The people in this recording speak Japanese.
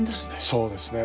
そうですね。